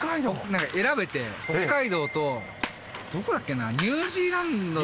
なんか選べて、北海道と、どこだっけな？